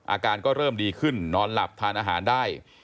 อาการก็เริ่มดีขึ้นนอนหลับทานอาหารได้